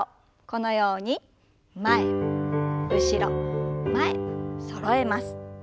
このように前後ろ前そろえます。